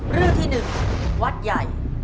เรื่องที่๑วัดใหญ่